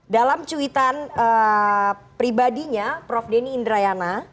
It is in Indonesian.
dalam cuitan pribadinya prof denny indrayana